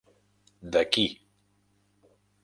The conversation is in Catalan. D'aquí.